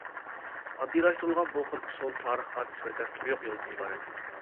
ئاددىيلاشتۇرۇلغان بۇ خىل ئۇسۇل تارىخقا نىسبەتەن تۇيۇق يولدىن ئىبارەت.